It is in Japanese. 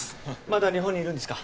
まだ日本にいるんですか？